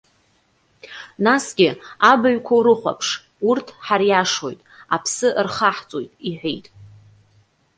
Насгьы абаҩқәа урыхәаԥш, урҭ ҳариашоит, аԥсы рхаҳҵоит,- иҳәеит.